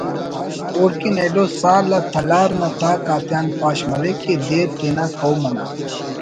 اوڑکن ایلو سال آ ”تلار“ نا تاک آتیان پاش مریک کہ دیر تینا قوم انا